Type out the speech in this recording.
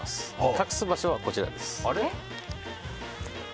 隠す場所はこちらです。